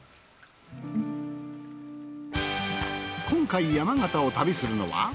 今回山形を旅するのは。